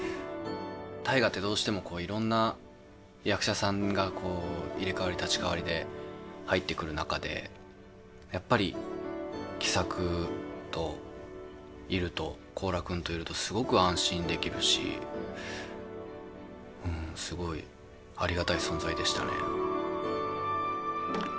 「大河」ってどうしてもいろんな役者さんが入れ代わり立ち代わりで入ってくる中でやっぱり喜作といると高良君といるとすごく安心できるしすごいありがたい存在でしたね。